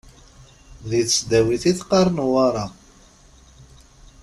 Di tesdawit i teqqar Newwara.